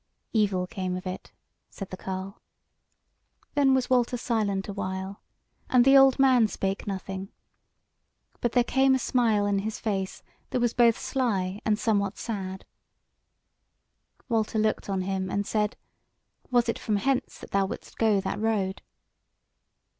"Evil came of it," said the carle. Then was Walter silent a while, and the old man spake nothing; but there came a smile in his face that was both sly and somewhat sad. Walter looked on him and said: "Was it from hence that thou wouldst go that road?"